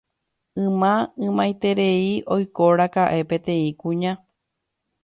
Yma, ymaiterei oikóraka'e peteĩ kuña